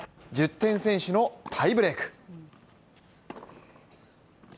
１０点先取のタイブレーク。